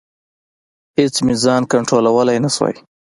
اېڅ مې ځان کنټرولولی نشو.